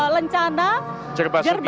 lencana jerbasuki mawabeo